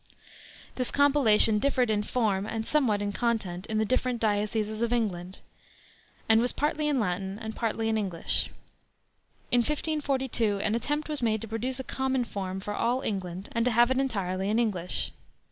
This compilation differed in form and somewhat in content in the different dioceses in England, and was partly in Latin and partly in English. In 1542 an attempt was made to produce a common form for all England and to have it entirely in English.